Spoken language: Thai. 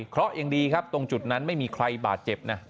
เพราะยังดีครับตรงจุดนั้นไม่มีใครบาดเจ็บนะ